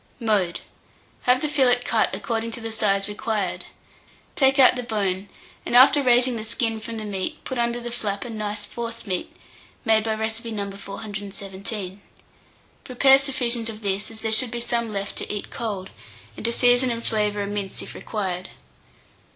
Mode. Have the fillet cut according to the size required; take out the bone, and after raising the skin from the meat, put under the flap a nice forcemeat, made by recipe No. 417. Prepare sufficient of this, as there should be some left to eat cold, and to season and flavour a mince if required.